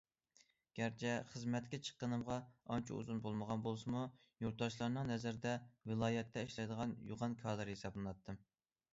گەرچە خىزمەتكە چىققىنىمغا ئانچە ئۇزۇن بولمىغان بولسىمۇ، يۇرتداشلارنىڭ نەزىرىدە ۋىلايەتتە ئىشلەيدىغان يوغان كادىر ھېسابلىناتتىم.